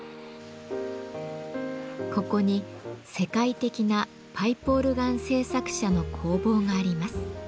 ここに世界的なパイプオルガン製作者の工房があります。